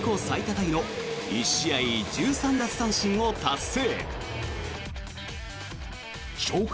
タイの１試合１３奪三振を達成。